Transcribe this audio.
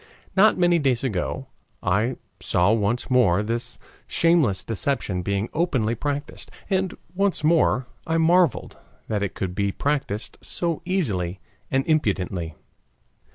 Not many days ago I saw once more this shameless deception being openly practiced, and once more I marveled that it could be practiced so easily and impudently.